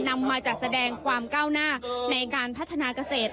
นำมาจัดแสดงความก้าวหน้าในการพัฒนาเกษตร